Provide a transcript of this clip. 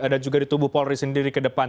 dan juga di tubuh polri sendiri ke depan